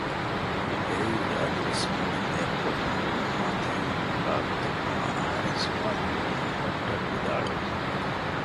އެއީ އަދިވެސް މުޅިން އެއްކޮށް ރަނގަޅުނުވާތީ ވާގޮތެއް ކަމަށް އަހަރެން ސުވާލުކުރުމުން ޑޮކްޓަރ ވިދާޅުވި